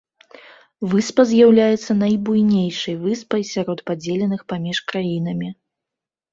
Выспа з'яўляецца найбуйнейшай выспай сярод падзеленых паміж краінамі.